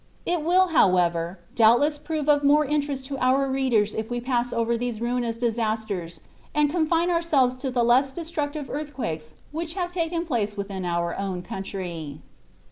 It will, however, doubtless prove of more interest to our readers if we pass over these ruinous disasters and confine ourselves to the less destructive earthquakes which have taken place within our own country.